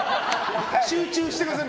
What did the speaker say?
集中してください